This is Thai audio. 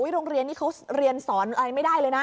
โรงเรียนนี้เขาเรียนสอนอะไรไม่ได้เลยนะ